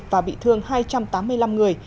và bị thương hai trăm tám mươi năm người